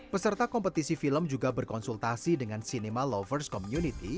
peserta kompetisi film juga berkonsultasi dengan cinema lovers community